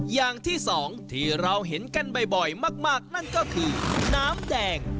อย่างที่สองที่เราเห็นกันบ่อยมากนั่นก็คือน้ำแดง